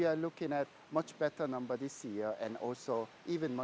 namun kami mencari jumlah yang lebih baik tahun ini